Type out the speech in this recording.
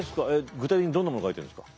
具体的にどんなもの書いてるんですか？